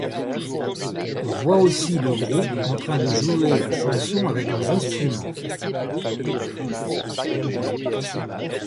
On voit aussi le groupe en train de jouer la chanson avec leurs instruments.